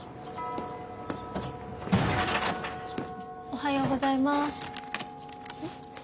おはようございます。